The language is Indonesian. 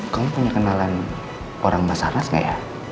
kamu punya kenalan orang mas aras nggak ya